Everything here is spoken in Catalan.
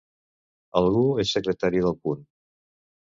Algú és secretari d'El Punt.